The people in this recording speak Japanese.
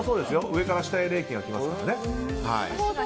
上から下へ冷気が来ますから。